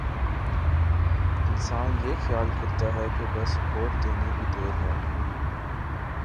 انسان یہ خیال کرتا ہے کہ بس ووٹ دینے کی دیر ہے۔